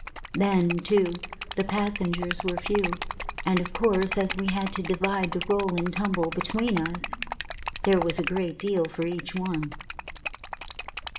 Then, too, the passengers were few; and of course as we had to divide the roll and tumble between us, there was a great deal for each one.